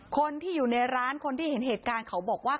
คนที่อยู่ในร้านคนที่เห็นเหตุการณ์เขาบอกว่า